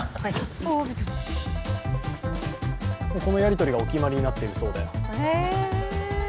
このやり取りがお決まりになっているそうで。